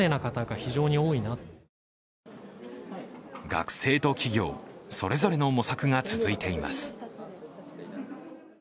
学生と企業、それぞれの模索が続いています。